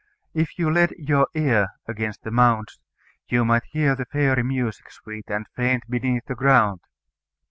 If you laid your ear against the mounds, you might hear the fairy music, sweet and faint, beneath the ground.